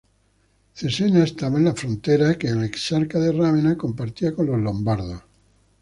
Cesena estaba en la frontera que el Exarca de Rávena compartía con los lombardos.